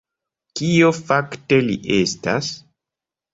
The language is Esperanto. Kio fakte li estas?